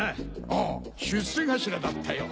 ああ出世頭だったよ。